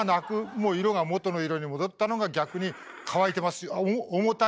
もう色が元の色に戻ったのが逆に「乾いてますよ」「重たくありませんよ」。